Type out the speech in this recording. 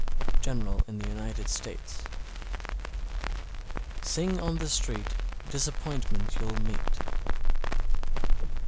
General in the United States. 669. Sing on the street, Disappointment you'll meet.